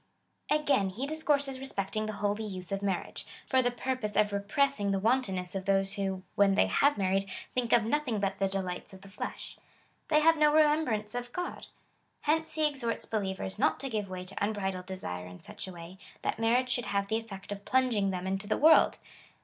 Again he discourses respecting the holy use of marriage, for the purpose of re pressing the wantonness of those who, when they liave mar ried, think of nothing hut the delights of the flesh. They have no remembrance of God. Hence he exhorts believers not to give way to unbridled desire in such a way, that mar riage should have the effect of plunging them into the world.